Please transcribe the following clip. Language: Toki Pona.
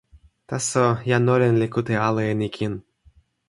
taso, jan olin li kute ala e ni kin.